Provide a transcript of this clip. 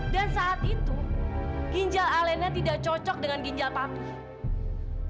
dan saat itu ginjal elena tidak cocok dengan ginjal papi